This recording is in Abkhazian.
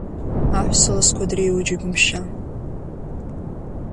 Аҳәса ласқәа дреиуоу џьыбымшьан.